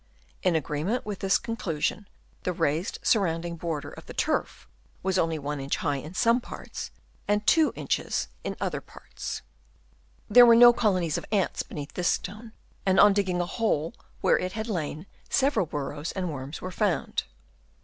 In agreement with this con clusion, the raised surrounding border of turf was only 1 inch high in some parts, and 2 inches in other parts. There were no colonies of ants beneath this stone, and on digging a hole where it had lain, several burrows and worms were found.